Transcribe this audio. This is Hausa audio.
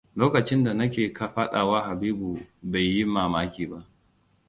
Lokacin da na ke faɗawa Habibu bai yi mamaki ba.